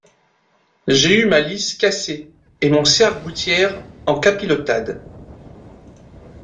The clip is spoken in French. J’ai eu ma lisse cassée, et mon serre-gouttière en capilotade.